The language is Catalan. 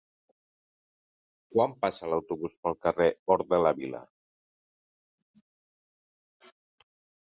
Quan passa l'autobús pel carrer Hort de la Vila?